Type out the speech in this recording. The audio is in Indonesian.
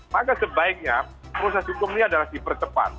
maka sebaiknya proses hukum ini adalah dipercepat